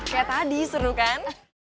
kayak tadi seru kan